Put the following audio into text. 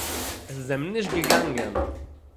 עס איז אים נישט געגאנגען